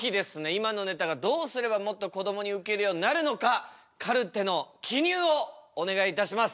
今のネタがどうすればもっとこどもにウケるようになるのかカルテの記入をお願いいたします。